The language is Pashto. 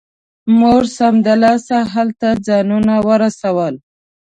موږ سمدلاسه هلته ځانونه ورسول.